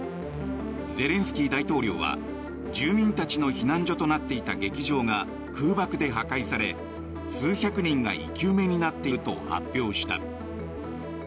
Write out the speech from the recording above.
ゼレンスキー大統領は住民たちの避難所となっていた劇場が空爆で破壊され数百人が生き埋めになっていると発表した。